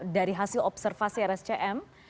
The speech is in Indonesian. dari hasil observasi rscm